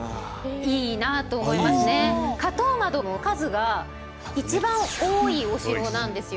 花頭窓の数が一番多いお城なんですよ